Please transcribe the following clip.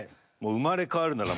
生まれ変わるなら。